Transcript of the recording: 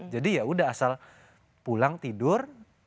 jadi ya udah asal pulang tidur